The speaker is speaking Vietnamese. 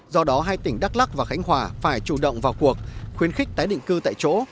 do đó hai tỉnh đắk lắc và khánh hòa phải chủ động vào cuộc khuyến khích tái định cư tại chỗ